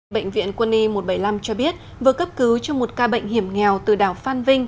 bệnh viện quân y một trăm bảy mươi năm cho biết vừa cấp cứu cho một ca bệnh hiểm nghèo từ đảo phan vinh